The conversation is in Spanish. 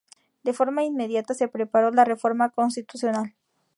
De forma inmediata se preparó la reforma constitucional.